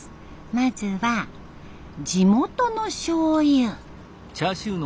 まずは地元のしょうゆ。